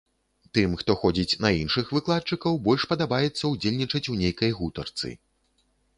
Тым, хто ходзіць на іншых выкладчыкаў, больш падабаецца ўдзельнічаць у нейкай гутарцы.